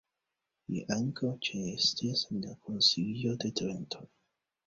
Li ankaŭ ĉeestis en la Konsilio de Trento.